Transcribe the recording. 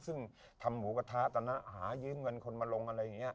ซึ่งทำหมูกระทะตอนนั้นหายืมเงินคนมาลงอะไรอย่างนี้